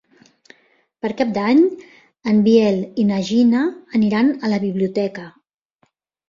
Per Cap d'Any en Biel i na Gina aniran a la biblioteca.